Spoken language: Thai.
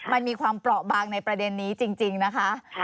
มันมีความเปราะบางในประเด็นนี้จริงนะคะ